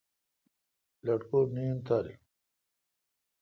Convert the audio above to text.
لٹکور نیند تیلو۔